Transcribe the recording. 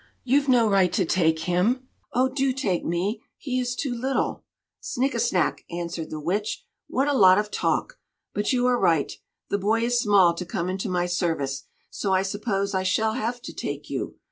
You've no right to take him! Oh! do take me; he is too little." "Snikkesnak!" answered the Witch; "what a lot of talk! But you are right; the boy is small to come into my service, so I suppose I shall have to take you.